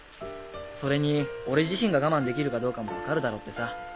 それに俺自身が我慢できるかどうかも分かるだろうってさ。